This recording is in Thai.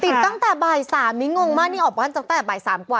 ติดตั้งแต่บ่ายสามมีงงมากนี่ออกบ้านตั้งแต่บ่ายสามกว่า